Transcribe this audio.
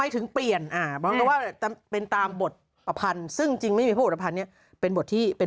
มีเค้าจากนู่นนิจนี่นอน